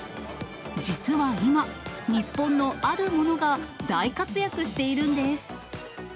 実は今、日本のあるものが大活躍しているんです。